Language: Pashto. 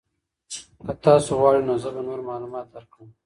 که تاسو غواړئ نو زه به نور معلومات درکړم.